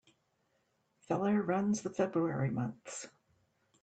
Feller runs the February months.